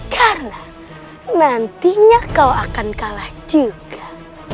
karena nanti kau akan kalah juga